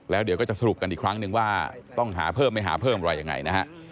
แล้วเดี๋ยวก็จะสรุปกันอีกครั้งนึงว่าต้องหาเพิ่มไม่หาเพิ่มอะไรยังไงนะฮะ